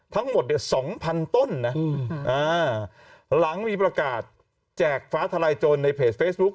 ทั้งหมดเนี่ยสองพันต้นนะหลังมีประกาศแจกฟ้าทลายโจรในเพจเฟซบุ๊ค